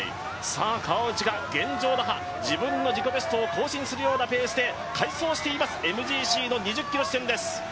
川内が現状打破、自分の自己ベストを更新するようなペースで快走しています、ＭＧＣの２０ｋｍ地点です。